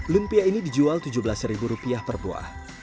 lumpia ini dijual tujuh belas rupiah per buah